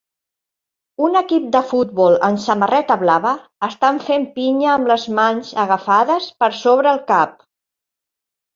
Un equip de futbol amb samarreta blava estan fent pinya amb les mans agafades per sobre el cap.